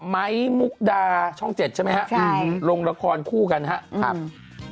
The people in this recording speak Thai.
ไม้มุกดาช่องเจ็ดใช่ไหมฮะใช่ลงละครคู่กันครับครับ